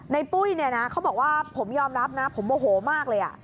ในปุ้ยเขาบอกว่าผมยอมรับนะผมโมโหมากเลย